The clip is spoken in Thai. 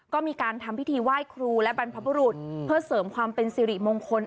ก็มีการทำพิธีไหว้ครูและบรรพบุรุษเพื่อเสริมความเป็นสิริมงคล